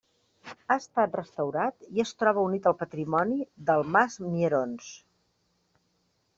Ha estat restaurat i es troba unit al patrimoni del mas Mierons.